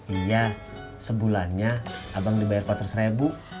iya sebulannya abang dibayar empat ratus ribu